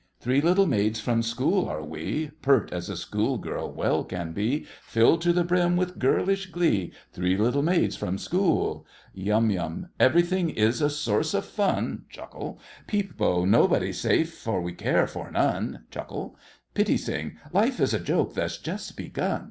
Three little maids from school are we, Pert as a school girl well can be, Filled to the brim with girlish glee, Three little maids from school! YUM YUM. Everything is a source of fun. PEEP BO. Nobody's safe, for we care for none! PITTI SING. Life is a joke that's just begun!